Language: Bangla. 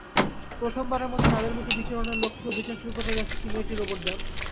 প্রথমবারের মতো চাঁদের বুকে বিচরণের লক্ষ্যে অভিযান শুরু করতে যাচ্ছে চীনের একটি রোবটযান।